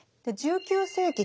１９世紀